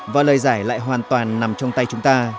và lời giải lại hoàn toàn nằm trong tay chúng ta